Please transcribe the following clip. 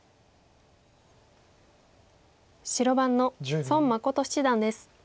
白番の孫七段です。